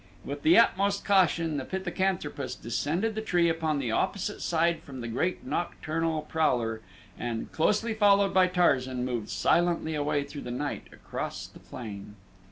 With the utmost caution the pithecanthropus descended the tree upon the opposite side from the great nocturnal prowler, and, closely followed by Tarzan, moved silently away through the night across the plain.